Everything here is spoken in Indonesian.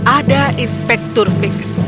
ada inspektur fix